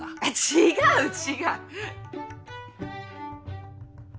違う違う！